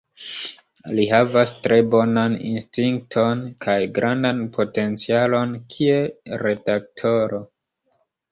Li havas tre bonan instinkton kaj grandan potencialon kiel redaktoro.